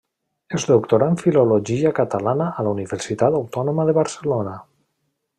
Es doctorà en Filologia Catalana a la Universitat Autònoma de Barcelona.